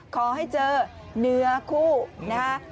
ขอให้เจอเนื้อคู่นะฮะ